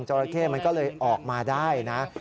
ราเข้มันก็เลยออกมาได้นะ